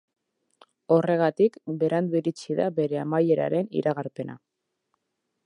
Horregatik, berandu iritsi da bere amaieraren iragarpena.